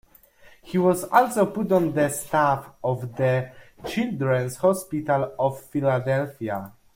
He was also put on the staff of the Children's Hospital of Philadelphia.